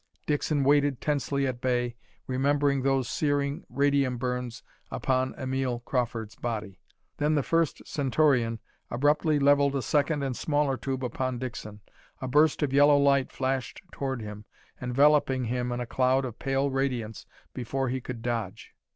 Dixon waited tensely at bay, remembering those searing radium burns upon Emil Crawford's body. Then the first Centaurian abruptly leveled a second and smaller tube upon Dixon. A burst of yellow light flashed toward him, enveloping him in a cloud of pale radiance before he could dodge.